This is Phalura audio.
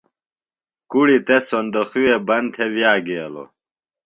کُڑی تس صُندوقی وے بند تھےۡ ویہ گیلوۡ۔